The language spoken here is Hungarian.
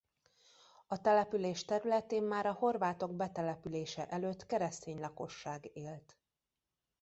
A település területén már a horvátok betelepülése előtt keresztény lakosság élt.